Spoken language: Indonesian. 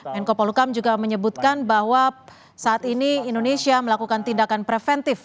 menko polukam juga menyebutkan bahwa saat ini indonesia melakukan tindakan preventif